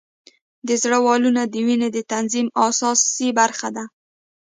د زړه والونه د وینې د تنظیم اساسي برخه ده.